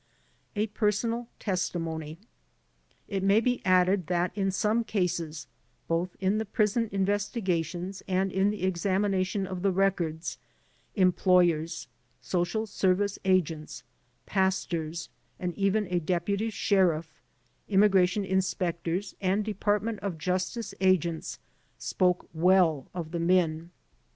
A Personal Testimony It may be added that in some cases, both in the prison investigations and in the examination of the records, em ployers, social service agents, pastors, and even a deputy sheriff, immigration inspectors and department of jus tice agents spoke well of the men.